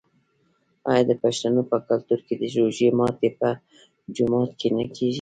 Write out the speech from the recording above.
آیا د پښتنو په کلتور کې د روژې ماتی په جومات کې نه کیږي؟